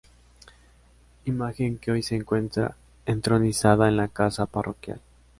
Imagen que hoy se encuentra entronizada en la Casa Parroquial.